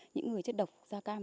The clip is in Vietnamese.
những người chất độc da cam